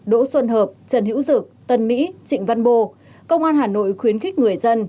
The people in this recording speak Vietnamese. đỗ xuân hợp trần hữu dực tân mỹ trịnh văn bồ công an hà nội khuyến khích người dân